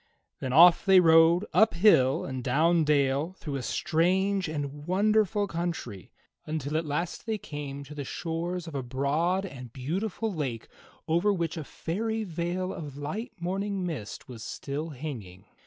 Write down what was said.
Then off they rode up hill and down dale through a strange and wonderful country, until at last they came to the shores of a broad HOW ARTHUR WON HIS SWORD 27 and beautiful lake over which a fairy veil of light morning mist was still hanging.